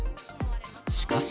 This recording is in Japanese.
しかし。